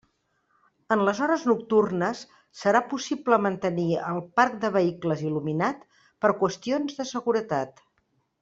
En les hores nocturnes serà possible mantenir el parc de vehicles il·luminat per qüestions de seguretat.